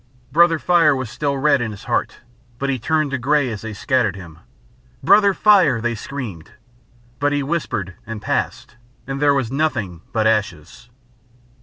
Brother Fire was still red in his heart, but he turned to grey as they scattered him. "Brother Fire!" they screamed. But he whispered and passed, and there was nothing but ashes.